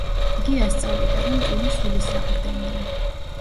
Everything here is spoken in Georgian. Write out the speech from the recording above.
იგი ასწავლიდა, რომ ტვინი სულის საყრდენია.